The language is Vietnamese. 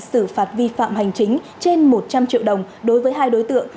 xử phạt vi phạm hành chính trên một trăm linh triệu đồng đối với hai đối tượng